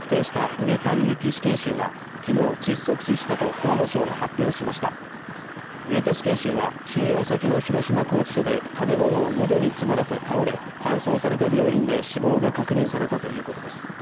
上田死刑囚は収容先の広島拘置所で食べ物をのどに詰まらせ倒れ、搬送された病院で死亡が確認されたということです。